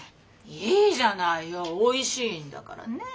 いいじゃないよおいしいんだからねえ。